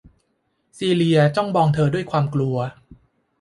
ซีเลียจ้องมองเธอด้วยความกลัว